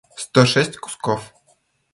сто шесть кусков